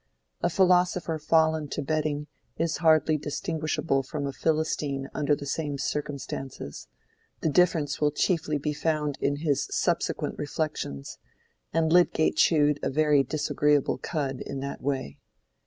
A philosopher fallen to betting is hardly distinguishable from a Philistine under the same circumstances: the difference will chiefly be found in his subsequent reflections, and Lydgate chewed a very disagreeable cud in that way.